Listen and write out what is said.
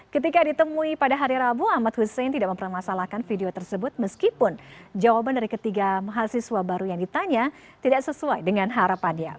ketika ditemui pada hari rabu ahmad hussein tidak mempermasalahkan video tersebut meskipun jawaban dari ketiga mahasiswa baru yang ditanya tidak sesuai dengan harapannya